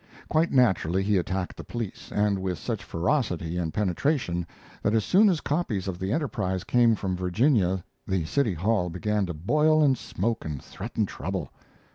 Quite naturally he attacked the police, and with such ferocity and penetration that as soon as copies of the Enterprise came from Virginia the City Hall began to boil and smoke and threaten trouble.